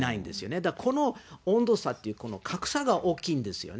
だからこの温度差っていう、格差が大きいんですよね。